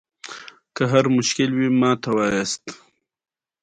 د اقلیمي بدلون په نتیجه کې یخچالونه له منځه تلونکي دي.